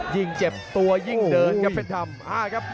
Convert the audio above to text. ยิ่งเจ็บตัวยิ่งเดินครับเพชรดำ